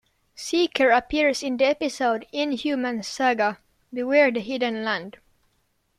Seeker appears in the episode "Inhumans Saga: Beware the Hidden Land".